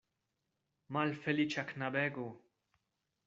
Malfeliĉa knabego!